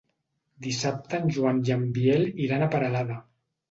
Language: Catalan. Dissabte en Joan i en Biel iran a Peralada.